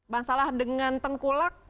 masalah dengan tengkulak